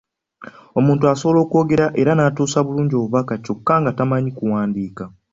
Omuntu asobola okwogera era n'atuusa bulungi obubaka kyokka nga tamanyi kuwandiika!